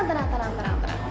tenang tenang tenang